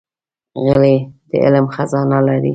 غلی، د علم خزانه لري.